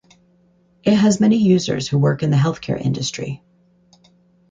It has many users who work in the healthcare industry.